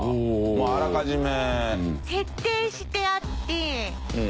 もうあらかじめ。